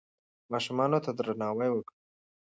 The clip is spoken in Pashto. ماشومانو ته درناوی وکړئ.